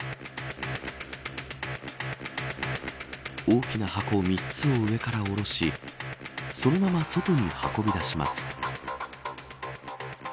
大きな箱３つを上から下ろしそのまま外に運び出します。